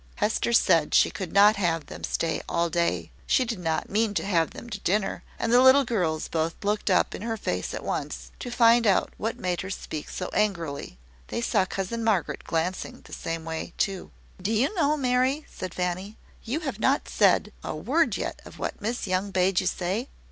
Hester said she could not have them stay all day, she did not mean to have them to dinner: and the little girls both looked up in her face at once, to find out what made her speak so angrily. They saw cousin Margaret glancing the same way too. "Do you know, Mary," said Fanny, "you have not said a word yet of what Miss Young bade you say?"